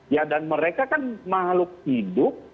ya dan mereka kan makhluk hidup